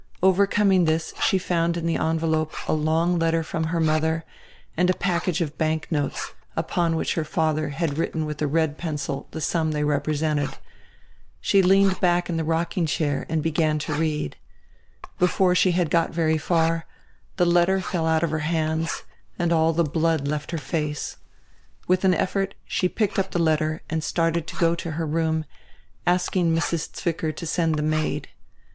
Overcom ing this she found in the envelope a long letter from her mother and a package of banknotes, upon which her father had written with a red pencil the sum they represented. She leaned back in the rocking chair and began to read. Before she had got very far, the letter fell out of her hands and all the blood left her face. With an effort she picked up the letter and started to go to her room, asking Mrs. Zwicker to send the maid.